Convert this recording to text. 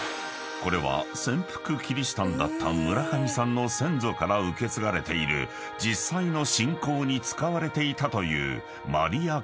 これは潜伏キリシタンだった村上さんの先祖から受け継がれている実際の信仰に使われていたという］